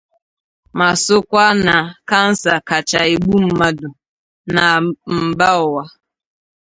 ma sòkwa na kansa kacha egbu mmadụ na mba ụwa.